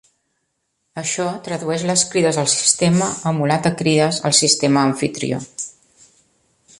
Això tradueix les crides al sistema emulat a crides al sistema amfitrió.